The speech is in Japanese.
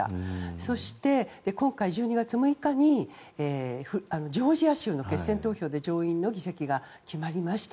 そして、今回１２月６日にジョージア州の決選投票で上院の議席が決まりました。